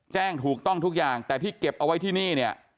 แจ้งถูกต้องทุกอย่างแต่ที่เก็บเอาไว้ที่นี่เนี่ย